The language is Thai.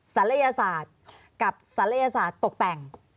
ศัลยศาสตร์กับศัลยศาสตร์ตกแต่ง